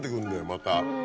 また。